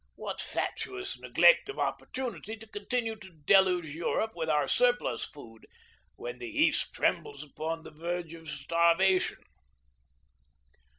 What fatuous neglect of opportunity to continue to deluge Europe with our surplus food when the East trembles upon the verge of starvation!"